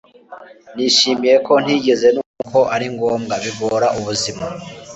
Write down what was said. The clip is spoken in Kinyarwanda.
nishimiye ko ntigeze numva ko ari ngombwa, bigora ubuzima